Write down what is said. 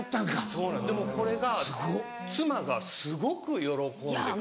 そうなんですでもこれが妻がすごく喜んでくれて。